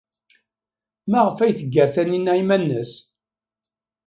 Maɣef ay d-teggar Taninna iman-nnes?